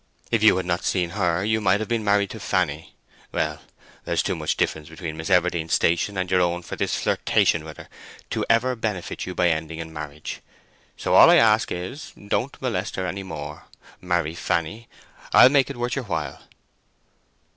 If you had not seen her you might have been married to Fanny. Well, there's too much difference between Miss Everdene's station and your own for this flirtation with her ever to benefit you by ending in marriage. So all I ask is, don't molest her any more. Marry Fanny. I'll make it worth your while."